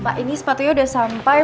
pak ini sepatunya sudah sampai